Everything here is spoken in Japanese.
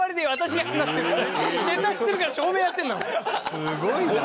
すごいな。